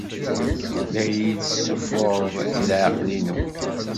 La iyi-tessuffuɣed i leɛqel-inu.